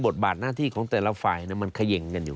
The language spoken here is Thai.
บทบาทหน้าที่ของแต่ละฝ่ายมันเขย่งกันอยู่